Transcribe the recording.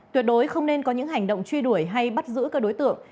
tuyệt đối không nên có những hành động truy đuổi hay bắt giữ các đối tượng